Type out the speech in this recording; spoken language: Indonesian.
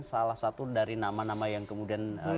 salah satu dari nama nama yang kemudian